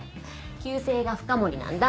旧姓が深森なんだ。